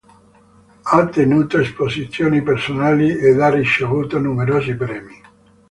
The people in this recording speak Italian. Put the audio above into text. Ha tenuto esposizioni personali ed ha ricevuto numerosi premi.